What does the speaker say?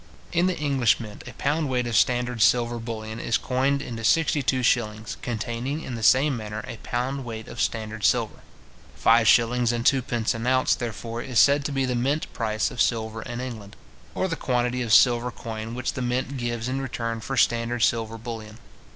In the English mint, a pound weight of standard silver bullion is coined into sixty two shillings, containing, in the same manner, a pound weight of standard silver. Five shillings and twopence an ounce, therefore, is said to be the mint price of silver in England, or the quantity of silver coin which the mint gives in return for standard silver bullion.